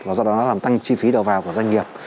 và do đó nó làm tăng chi phí đầu vào của doanh nghiệp